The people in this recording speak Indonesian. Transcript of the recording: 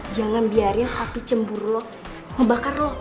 jangan biarin hati cemburu lo ngebakar lo